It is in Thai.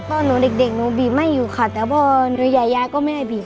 ก็หนูเด็กหนูบีบไม่อยู่ค่ะแต่ว่าหนูใหญ่ยายก็ไม่ให้บีบค่ะ